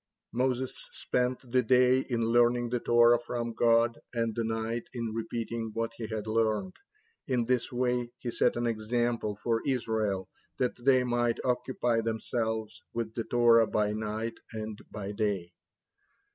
Moses spent the day in learning the Torah from God, and the night in repeating what he had learned. In this way he set an example for Israel, that they might occupy themselves with the Torah by night and by day.